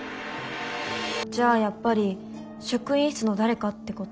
じゃあやっぱり職員室の誰かってこと？